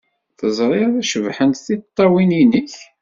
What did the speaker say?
Teẓrid cebḥent tiṭṭawin-nnek?